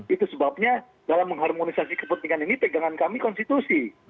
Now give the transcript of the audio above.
itu sebabnya dalam mengharmonisasi kepentingan ini pegangan kami konstitusi